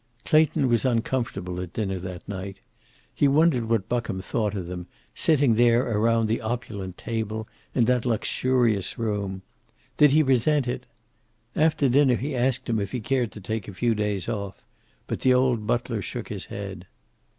Clayton was uncomfortable at dinner that night. He wondered what Buckham thought of them, sitting there around the opulent table, in that luxurious room. Did he resent it? After dinner he asked him if he cared to take a few days off, but the old butler shook his head.